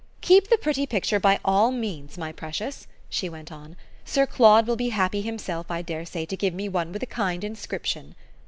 Keep the pretty picture, by all means, my precious," she went on: "Sir Claude will be happy himself, I dare say, to give me one with a kind inscription."